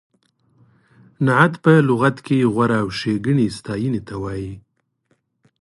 نعت په لغت کې غوره او نېکې ستایینې ته وایي.